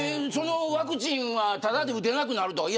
ワクチンがただで打てなくなるとか。